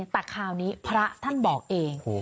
แต่คราวนี้พระท่านบอกเอง